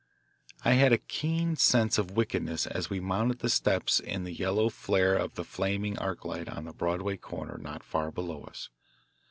I had a keen sense of wickedness as we mounted the steps in the yellow flare of the flaming arc light on the Broadway corner not far below us.